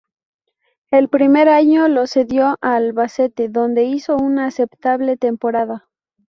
El primer año lo cedió al Albacete, donde hizo una aceptable temporada.